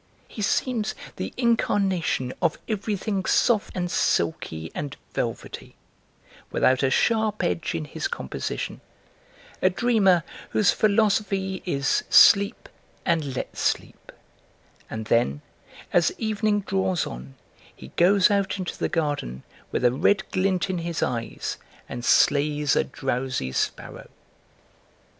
He seems the incarnation of everything soft and silky and velvety, without a sharp edge in his composition, a dreamer whose philosophy is sleep and let sleep; and then, as evening draws on, he goes out into the garden with a red glint in his eyes and slays a drowsy sparrow."